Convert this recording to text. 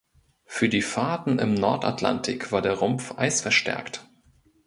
Für die Fahrten im Nordatlantik war der Rumpf eisverstärkt.